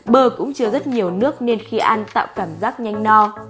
bờ cũng chứa rất nhiều nước nên khi ăn tạo cảm giác nhanh no